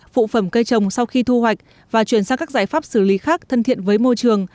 phụ phẩm cây trồng sau khi thu hoạch và chuyển sang các giải pháp xử lý khác thân thiện với môi trường